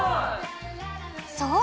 そう！